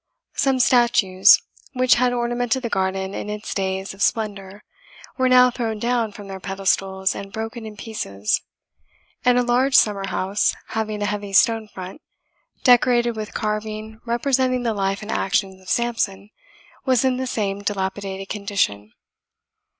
Some statues, which had ornamented the garden in its days of splendour, were now thrown down from their pedestals and broken in pieces; and a large summer house, having a heavy stone front, decorated with carving representing the life and actions of Samson, was in the same dilapidated condition.